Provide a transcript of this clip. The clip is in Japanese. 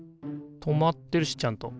留まってるしちゃんと。